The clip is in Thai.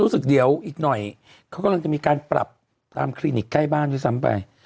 รู้สึกเดี๋ยวอีกหน่อยเขากำลังจะมีการปรับตามคลินิกใกล้บ้านด้วยซ้ำไป